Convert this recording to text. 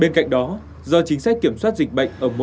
bên cạnh đó do chính sách kiểm soát dịch bệnh ở mỗi